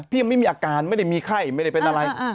ยังไม่มีอาการไม่ได้มีไข้ไม่ได้เป็นอะไร